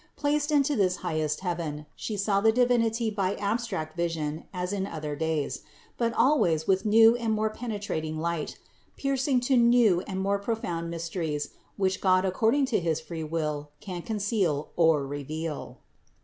Placed into this highest heaven, She saw the Divinity by abstract vision as in other days; but always with new and more pene trating light, piercing to new and more profound myster ies, which God according to his free will can conceal or reveal.